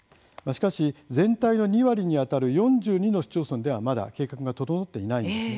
しかし、全体の２割にあたる４２の市町村ではまだ計画が整っていないんです。